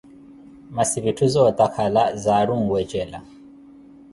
Masi vitthu zootakhala zaari onwecela.